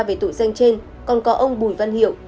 về tội danh trên còn có ông bùi văn hiệu